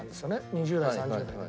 ２０代３０代が。